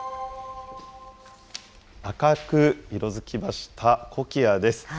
赤く色づきましたコキアです。